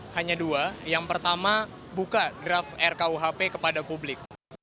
hanya dua yang pertama buka draft rkuhp kepada publik